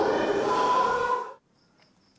berarti kamu harus pulang bawa belanjaan loh